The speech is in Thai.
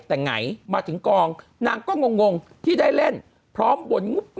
แต่ไงมาถึงกองนางก็งงที่ได้เล่นพร้อมบนงุบ